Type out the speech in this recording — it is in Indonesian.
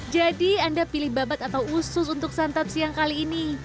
jadi anda pilih babat atau usus untuk santap siang kali ini